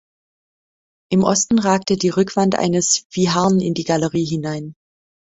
Im Osten ragte die Rückwand eines Viharn in die Galerie hinein.